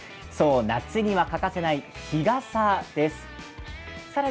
夏には欠かせない日傘です。